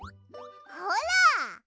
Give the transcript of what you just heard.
ほら！